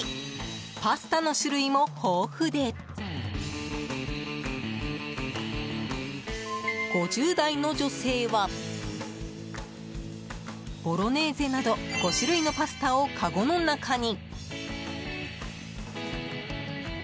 パスタの種類も豊富で５０代の女性は、ボロネーゼなど５種類のパスタをかごの中に。